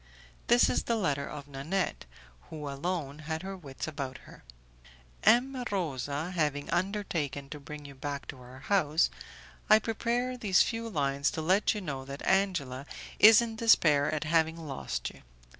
This is the letter of Nanette, who alone had her wits about her: "M. Rosa having undertaken to bring you back to our house, I prepare these few lines to let you know that Angela is in despair at having lost you.